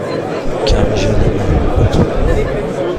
کمی ژل مو، لطفا.